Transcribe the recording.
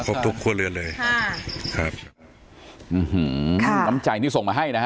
ก็ครบทุกครัวเรือนเลยครับอื้อหือค่ะน้ำใจที่ส่งมาให้นะฮะ